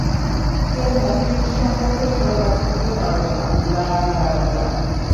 কেউই ম্যাট্রিক্স সম্পর্কে ভালো ব্যাখ্যা দিতে পারবে না, ব্লা ব্লা ব্লা!